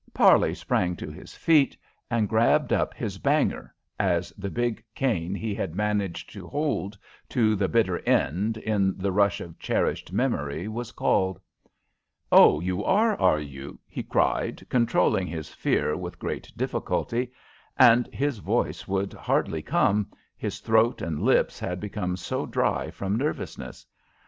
Parley sprang to his feet and grabbed up his "banger," as the big cane he had managed to hold to the bitter end in the rush of cherished memory was called. "Oh, you are, are you?" he cried, controlling his fear with great difficulty; and his voice would hardly come, his throat and lips had become so dry from nervousness.